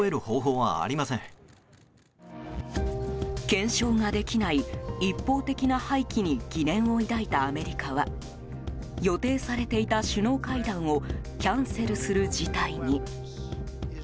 検証ができない一方的な廃棄に疑念を抱いたアメリカは予定されていた首脳会談をキャンセルする事態に。